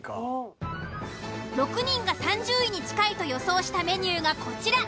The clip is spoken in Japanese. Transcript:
６人が３０位に近いと予想したメニューがこちら。